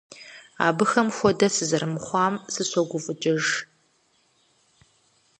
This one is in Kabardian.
Абыхэм хуэдэ сызэрымыхъуам сыщогуфӀыкӀыж.